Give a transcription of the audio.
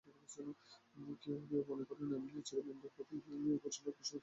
কেউ কেউ মনে করেন, এই মন্দির সম্ভবত পশ্চিমবঙ্গের প্রাচীনতম মন্দিরের নিদর্শন।